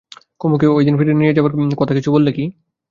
কুমুকে ওদের ওখানে ফিরে নিয়ে যাবার কথা কিছু বললে কি?